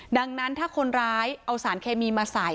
ดังนั้นถ้าคนร้ายเอาสารเคมีมาใส่